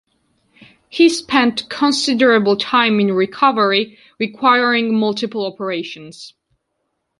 He spent considerable time in recovery, requiring multiple operations.